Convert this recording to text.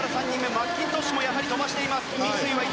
マッキントッシュもやはり飛ばしています。